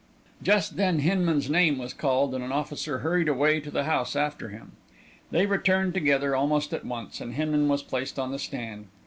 Just then Hinman's name was called, and an officer hurried away to the house after him. They returned together almost at once, and Hinman was placed on the stand.